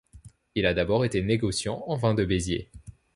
Il a d’abord été négociant en vin de Béziers.